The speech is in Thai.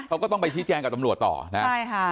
เขาก็ต้องไปชี้แจงกับตำรวจต่อนะใช่ค่ะ